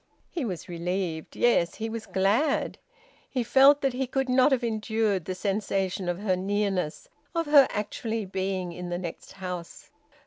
He was relieved. Yes, he was glad. He felt that he could not have endured the sensation of her nearness, of her actually being in the next house.